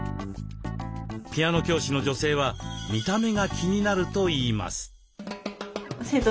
ピアノ教師の女性は見た目が気になるといいます。